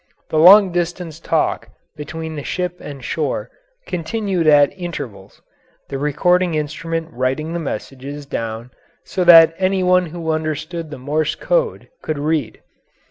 The long distance talk between ship and shore continued at intervals, the recording instrument writing the messages down so that any one who understood the Morse code could read.